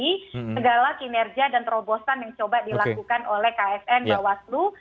segala kinerja dan terobosan yang coba dilakukan oleh ksn bawaslu